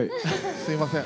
すみません。